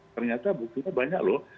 ternyata buktinya banyak loh